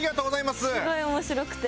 すごい面白くて。